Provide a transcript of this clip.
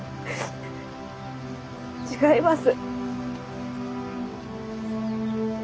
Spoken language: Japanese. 違います。